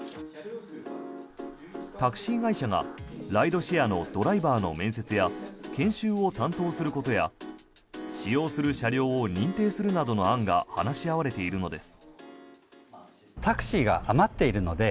タクシー会社がライドシェアのドライバーの面接や研修を担当することや使用する車両を認定するなどの案が話し合われているのです。